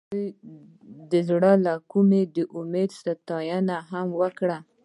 هغې د زړه له کومې د امید ستاینه هم وکړه.